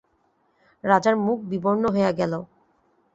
রাজার মুখ বিবর্ণ হইয়া গেল।